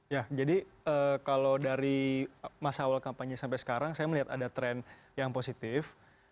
ya jadi kalau dari masa awal kampanye sampai sekarang saya melihat ada tren yang positif